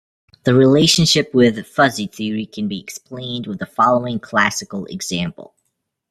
The relationship with fuzzy theory can be explained with the following classical example.